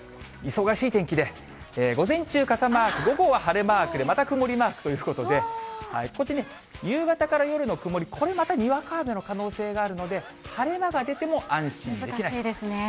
忙しい天気で、午前中、傘マーク、午後は晴れマークで、また曇りマークということで、こっちね、夕方から夜の曇り、これまたにわか雨の可能性があるので、晴れ間が出ても安心できな難しいですね。